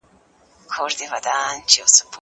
تاسي په ژوند کي د مرګ لپاره کومه توښه لرئ؟